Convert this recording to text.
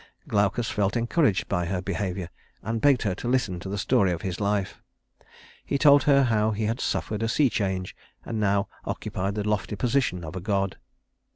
Glaucus felt encouraged by her behavior, and begged her to listen to the story of his life. He told her how he had suffered a sea change, and now occupied the lofty position of a god.